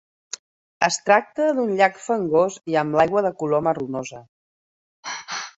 Es tracta d'un llac fangós i amb l'aigua de color marronosa.